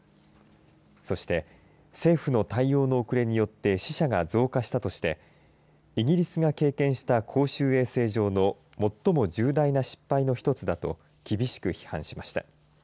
そして政府の対応の遅れによって死者が増加したとしてイギリスが経験した公衆衛生上の最も重大な失敗のひとつだと厳しく批判しました。